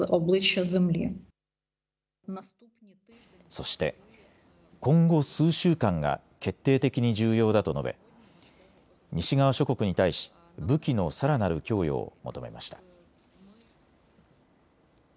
そして今後数週間が決定的に重要だと述べ西側諸国に対し、武器のさらなる供与を求めました。